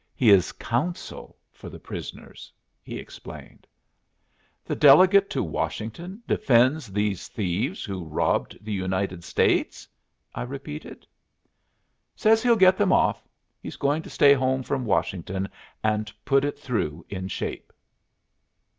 "He is counsel for the prisoners," he explained. "The Delegate to Washington defends these thieves who robbed the United States?" I repeated. "Says he'll get them off. He's going to stay home from Washington and put it through in shape."